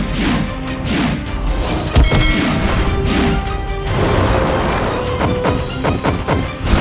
jaga dewa batara